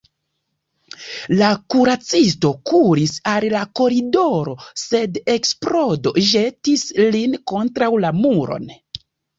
La kuracisto kuris al la koridoro, sed eksplodo ĵetis lin kontraŭ la muron.